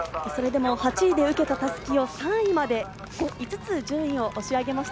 ８位で受けた襷を３位まで、５つ順位を押し上げました。